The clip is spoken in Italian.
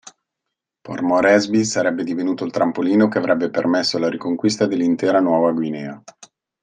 Port Moresby sarebbe divenuto il trampolino che avrebbe permesso la riconquista dell'intera Nuova Guinea.